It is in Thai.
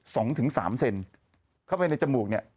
๒๓เซนเข้าไปในจมูกเนี่ย